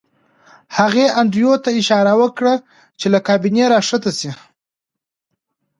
هغې انډریو ته اشاره وکړه چې له کابینې راښکته شي